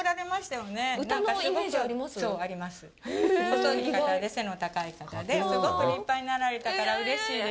細い方で、背の高い方で、すごく立派になられたからうれしいです。